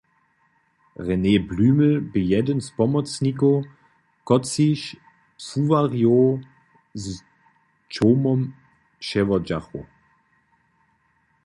Rene Blümel bě jedyn z pomocnikow, kotřiž płuwarjow z čołmom přewodźachu.